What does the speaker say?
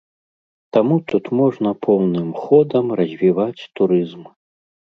Таму тут можна поўным ходам развіваць турызм.